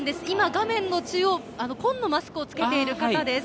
画面の中央紺のマスクをつけている方です。